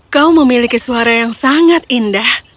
kau memiliki suara yang sangat indah